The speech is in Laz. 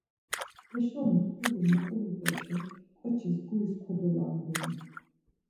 Heşo muǩulu moǩulut̆esşa ǩoçis guris kodo-langonu.